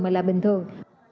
mà là bình thường